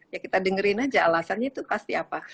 ya kita dengerin aja alasannya itu pasti apa